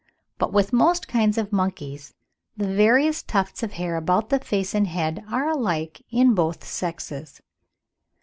But with most kinds of monkeys the various tufts of hair about the face and head are alike in both sexes.